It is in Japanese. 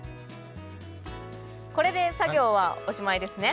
これで作業はおしまいですね？